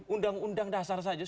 undang undang dasar saja